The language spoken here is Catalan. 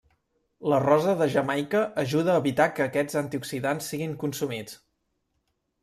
La rosa de Jamaica ajuda a evitar que aquests antioxidants siguin consumits.